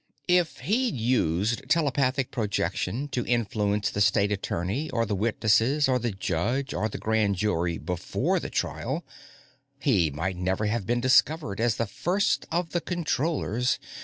If he'd used telepathic projection to influence the State Attorney or the witnesses or the judge or the Grand Jury before the trial, he might never have been discovered as the first of the Controllers.